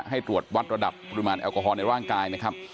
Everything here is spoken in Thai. ให้ตรวจวัดระดับปริมาณแอลกอฮอลในร่างกายนะครับ